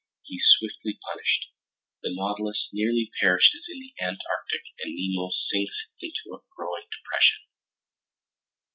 He's swiftly punished. The Nautilus nearly perishes in the Antarctic and Nemo sinks into a growing depression.